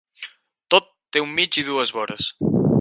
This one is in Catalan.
Tot té un mig i dues vores.